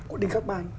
của đinh khắc man